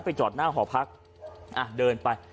จอดหน้าหอพักอ่ะเดินไป